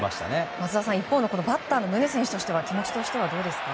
松田さん、一方のバッターの宗選手としては気持ちとしてはどうですか？